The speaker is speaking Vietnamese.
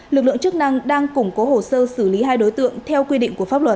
lực lượng chức năng đang củng cố hồ sơ xử lý hai đối tượng theo quy định của pháp luật